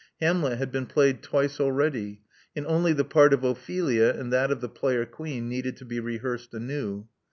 Hamlet had been played twice already, and only the part of Ophelia and that of the player queen needed to be rehearsed anew.